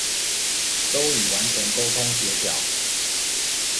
都已完成溝通協調